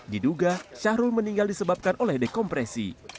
diduga syahrul meninggal disebabkan oleh dekompresi